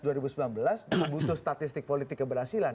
butuh statistik politik keberhasilan